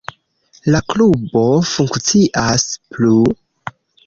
La klubo funkcias plu.